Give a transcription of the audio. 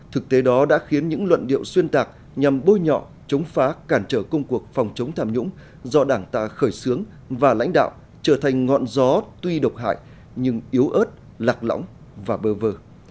thực tế đó đã khiến những luận điệu xuyên tạc nhằm bôi nhọ chống phá cản trở công cuộc phòng chống tham nhũng do đảng ta khởi xướng và lãnh đạo trở thành ngọn gió tuy độc hại nhưng yếu ớt lạc lõng và bơ vơ